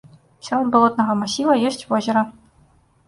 Сярод балотнага масіва ёсць возера.